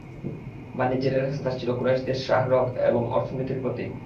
বাণিজ্যের এ রাস্তাটি ছিল কুরাইশদের শাহরগ এবং অর্থনীতির প্রতীক।